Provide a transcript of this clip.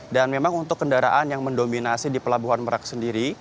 dan memang untuk kendaraan yang mendominasi di pelabuhan merak sendiri